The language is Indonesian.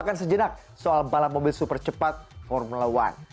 akan sejenak soal balap mobil super cepat formula one